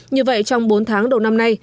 như vậy trong bốn tháng đầu năm nay